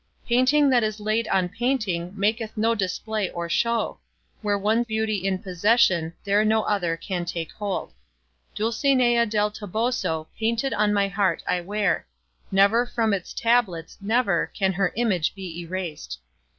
Painting that is laid on painting Maketh no display or show; Where one beauty's in possession There no other can take hold. Dulcinea del Toboso Painted on my heart I wear; Never from its tablets, never, Can her image be eras'd.